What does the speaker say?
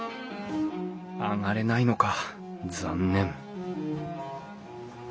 上がれないのか。